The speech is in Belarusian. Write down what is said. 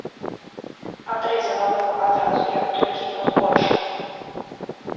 Андрэй загаварыў адразу, як толькі ён кончыў.